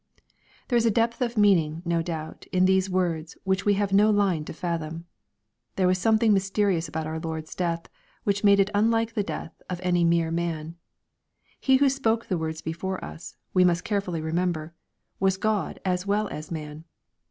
There is a depth of meaning, no doubt, in these words which we have no line to fathom. There was something mysterious about our Lord's death, which made it unlike the death of any mere man. He who spoke the words before us, we must carefully remember, was God as well as man.